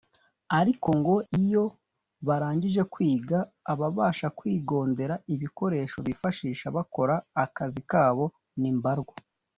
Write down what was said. ariko ngo iyo barangije kwiga ababasha kwigondera ibikoresho bifashisha bakora akazi kabo ni mbarwa